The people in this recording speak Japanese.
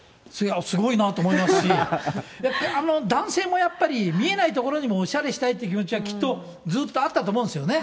すごいなと思いますし、男性もやっぱり、見えないところにもおしゃれしたいって気持ちはきっとずっとあったと思うんですよね。